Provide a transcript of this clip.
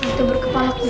hantu berkepala kuda